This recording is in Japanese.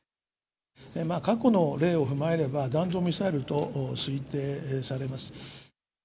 過去の例を踏まえれば、弾道ミサイルと推定されます。